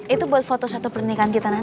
itu buat foto satu pernikahan kita nanti